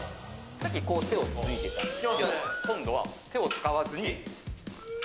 さっきは手をついてたんですけど、今度は手を使わずに。